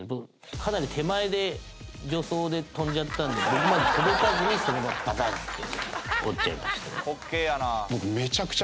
かなり手前で助走で跳んじゃったんで僕まで届かずにそのままバタンって落ちちゃいました。